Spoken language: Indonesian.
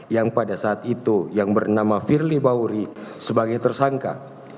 yang pada saat itu yang bernama firly bahuri sebagai tersangka